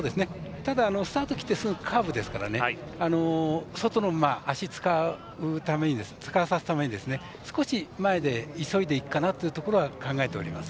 ただ、スタート切ってすぐカーブですから、外の馬脚を使わせるために少し前で急いでいくかなというところは考えております。